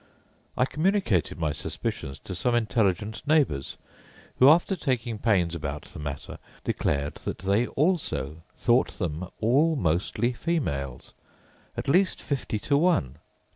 I communicated my suspicions to some intelligent neighbours, who, after taking pains about the matter, declared that they also thought them all mostly females; at least fifty to one.